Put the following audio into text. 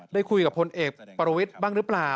ได้คุยกับพลเอกประวิทย์บ้างหรือเปล่า